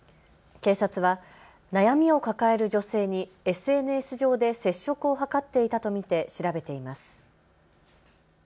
警察は悩みを抱える女性にＳＮＳ上で接触を図っていたと見て調べています。